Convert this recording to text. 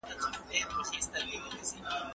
موږ د څېړونکي د صفتونو په اړه بحث کوو.